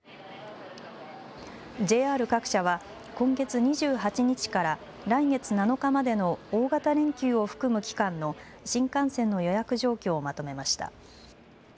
ＪＲ各社は今月２８日から来月７日までの大型連休を含む期間の新幹線の予約状況をまとめました。